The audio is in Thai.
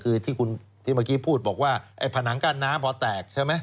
คือที่คุณที่เมื่อกี้พูดบอกว่าไอ้ผนังกั้นน้ำพอแตกใช่ไหม